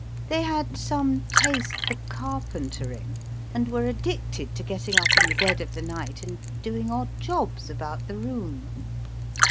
They had some taste for carpentering, and were addicted to getting up in the dead of the night and doing odd jobs about the room.